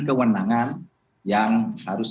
kewenangan yang harus